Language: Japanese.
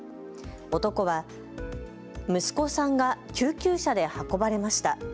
男は息子さんが救急車で運ばれました。